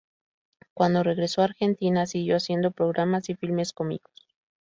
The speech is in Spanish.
Cuando regresó a Argentina siguió haciendo programas y filmes cómicos.